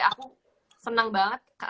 aku senang banget